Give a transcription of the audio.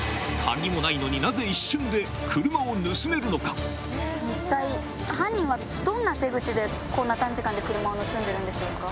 ということだけ一体犯人はどんな手口でこんな短時間で車を盗んでるんでしょうか？